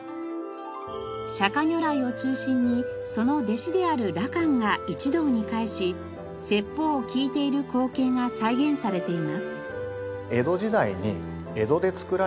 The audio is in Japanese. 釈迦如来を中心にその弟子である羅漢が一堂に会し説法を聴いている光景が再現されています。